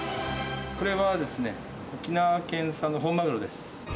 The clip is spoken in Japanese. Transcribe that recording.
これは、沖縄県産の本マグロです。